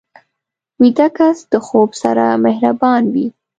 ویده کس د خوب سره مهربان وي